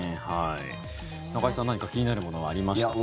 中居さん、何か気になるものはありましたか？